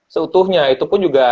seutuhnya itu pun juga